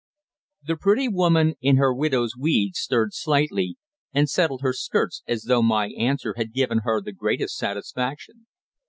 The pretty woman in her widow's weeds stirred slightly and settled her skirts, as though my answer had given her the greatest satisfaction.